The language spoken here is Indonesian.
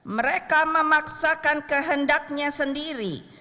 mereka memaksakan kehendaknya sendiri